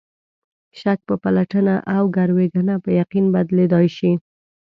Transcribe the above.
شک په پلټنه او ګروېږنه په یقین بدلېدای شي.